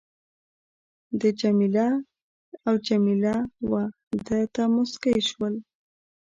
ده جميله او جميله وه ده ته مسکی شول.